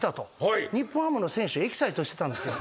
日本ハムの選手はエキサイトしてたんですよ。